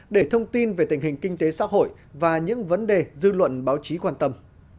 để thông tin về tình hình kinh tế xã hội và những vấn đề dư luận báo chí quan tâm